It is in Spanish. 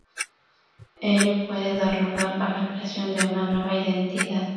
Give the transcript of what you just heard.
Ello puede dar lugar a la creación de una nueva identidad.